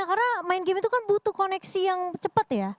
karena main game itu kan butuh koneksi yang cepat ya